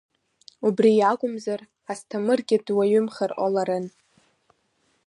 Убри иакәымзар Асҭамыргьы дуаҩымхар ҟаларын.